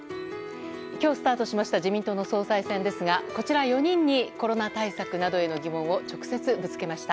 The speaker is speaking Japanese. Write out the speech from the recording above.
今日スタートしました自民党の総裁選ですがこちら４人にコロナ対策などへの疑問を直接ぶつけました。